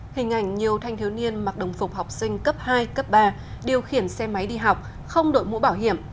hình ảnh nhiều thanh thiếu niên mặc đồng phục học sinh cấp hai cấp ba điều khiển xe máy đi học không đội mũ bảo hiểm